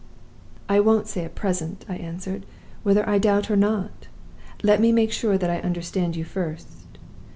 "'I won't say at present,' I answered, 'whether I doubt or not. Let me make sure that I understand you first.